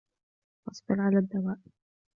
فَاصْبِرْ عَلَى الدَّوَاءِ